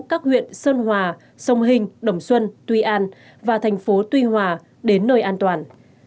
các huyện sơn hòa sông hình đồng xuân tuy an và thành phố tuy hòa đến nơi an toàn